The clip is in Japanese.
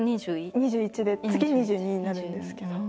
２１で次２２になるんですけど。